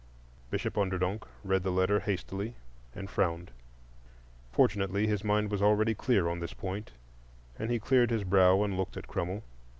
Bishop Onderdonk read the letter hastily and frowned. Fortunately, his mind was already clear on this point; and he cleared his brow and looked at Crummell.